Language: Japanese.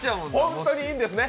本当にいいんですね。